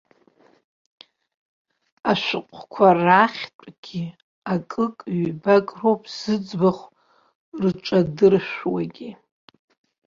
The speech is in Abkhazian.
Ашәҟәқәа рахьтәгьы акык-ҩбак роуп зыӡбахә рҿадыршәуагьы.